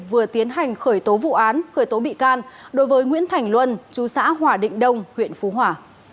vừa tiến hành khởi tố vụ án khởi tố bị can đối với nguyễn thành luân chú xã hòa định đông huyện phú hòa